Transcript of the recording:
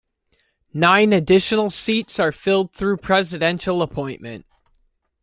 Nine additional seats are filled through presidential appointment.